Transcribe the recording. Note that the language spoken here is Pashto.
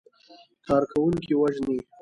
کارکوونکي وژني.